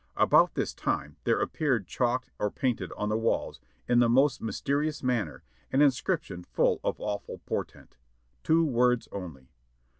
About this time there appeared chalked or painted on the walls, in the most mysterious manner, an inscription full of awful portent : two words only.